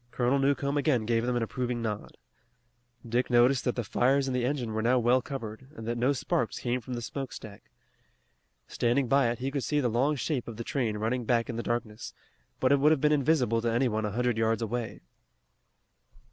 Colonel Newcomb again gave them an approving nod. Dick noticed that the fires in the engine were now well covered, and that no sparks came from the smoke stack. Standing by it he could see the long shape of the train running back in the darkness, but it would have been invisible to any one a hundred yards away.